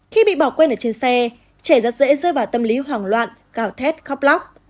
khi bị bỏ quên ở trên xe trẻ rất dễ rơi vào tâm lý hoảng loạn gào thét khóc lóc